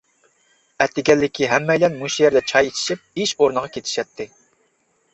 ئەتىگەنلىكى ھەممەيلەن مۇشۇ يەردە چاي ئىچىشىپ ئىش ئورنىغا كېتىشەتتى.